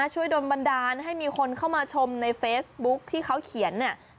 โดนบันดาลให้มีคนเข้ามาชมในเฟซบุ๊คที่เขาเขียนเนี่ย